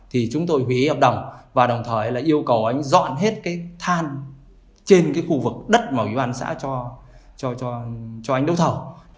thì chúng tôi hủy hợp đồng và đồng thời yêu cầu anh dọn hết than trên khu vực đất màu yên bán xã cho anh đấu thầu